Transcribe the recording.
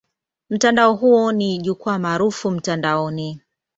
Mtandao huo ni jukwaa maarufu mtandaoni.